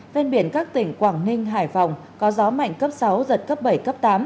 ven biển các tỉnh quảng ninh hải phòng có gió mạnh cấp sáu giật cấp bảy cấp tám